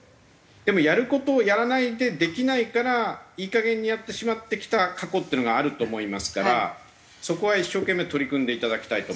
でもやる事をやらないでできないからいいかげんにやってしまってきた過去っていうのがあると思いますからそこは一生懸命取り組んでいただきたいと。